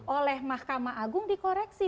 oleh mahkamah agung dikoreksi